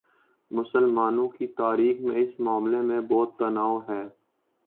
مسلمانوں کی تاریخ میں اس معاملے میں بہت تنوع ہے۔